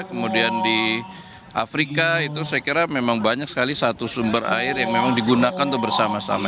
kemudian di afrika itu saya kira memang banyak sekali satu sumber air yang memang digunakan untuk bersama sama